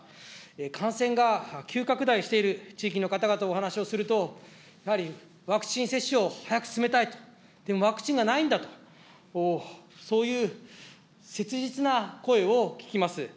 感染が急拡大している地域の方々とお話をすると、やはりワクチン接種を早く進めたい、でもワクチンがないんだと、そういう切実な声を聞きます。